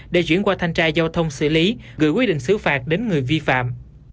để chuyển qua thanh tra giao thông xử lý gửi quy định xứ phạt đến người vi phạm